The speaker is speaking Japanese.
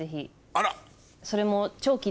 あら！